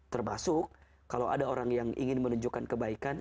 termasuk kalau ada orang yang ingin menunjukkan kebaikan